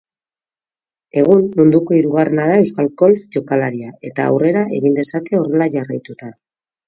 Egun, munduko hirugarrena da euskal golf-jokalaria eta aurrera egin dezake horrela jarraituta.